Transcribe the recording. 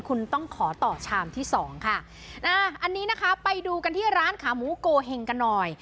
คุณต้องขอต่อชามที่สองค่ะอ่าอันนี้นะคะไปดูกันที่ร้านขาหมูโกเห็งกันหน่อย